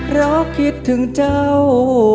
เพราะคิดถึงเจ้า